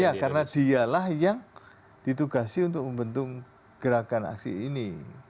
iya karena dialah yang ditugasi untuk membentuk gerakan aksi ini